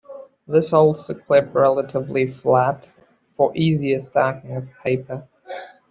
This holds the clip relatively flat, for easier stacking of paper.